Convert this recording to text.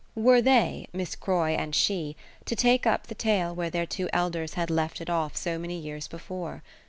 Were they, Miss Croy and she, to take up the tale where their two elders had left it off so many years before?